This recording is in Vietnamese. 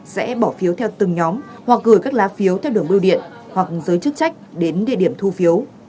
sẽ bỏ phiếu theo từng nhóm hoặc gửi các lá phiếu theo đường biêu điện hoặc giới chức trách đến địa điểm thu phiếu